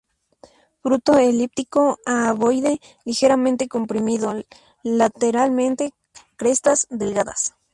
Fruto elíptico a ovoide, ligeramente comprimido lateralmente, crestas delgadas.